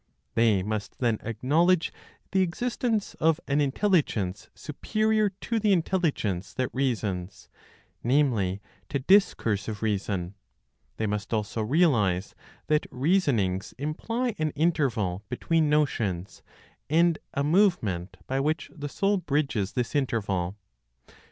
They must then acknowledge the existence of an Intelligence superior to the intelligence that reasons, namely, to discursive reason. They must (also realize) that reasonings imply an interval (between notions), and a movement (by which the soul bridges this interval).